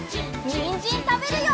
にんじんたべるよ！